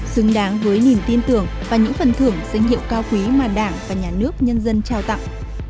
xứng đáng với niềm tin tưởng và những phần thưởng xinh hiệu cao quý mà đảng và nhà nước nhân dân trao tặng